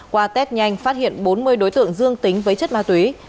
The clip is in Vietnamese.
qua test nhanh phát hiện bốn mươi đối tượng dương tính với chất ma túy